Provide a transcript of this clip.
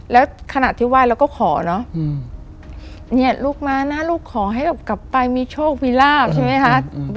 แล้วขณะที่ไหว้เราก็ขอเนอะเนี่ยลูกมานะลูกขอให้แบบกลับไปมีโชคมีลาบใช่ไหมคะ